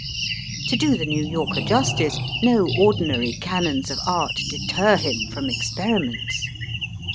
To do the New Yorker justice no ordinary canons of art deter him from experi ments.